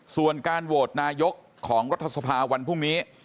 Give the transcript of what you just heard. ส่วนการโหวตนายกของรัฐสภาวันพรุ่งนี้